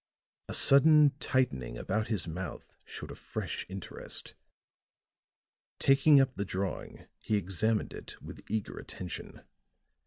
A sudden tightening about his mouth showed a fresh interest; taking up the drawing he examined it with eager attention.